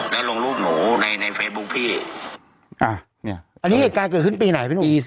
แล้วลงรูปหนูในในเฟซบุ๊คพี่อ่ะเนี่ยอันนี้เหตุการณ์เกิดขึ้นปีไหนพี่หนุ่ม